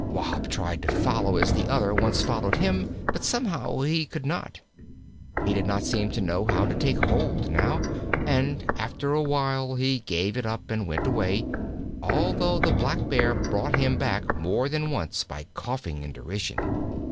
Wahb tried to follow as the other once followed him, but somehow he could not. He did not seem to know how to take hold now, and after a while he gave it up and went away, although the Blackbear brought him back more than once by coughing in derision.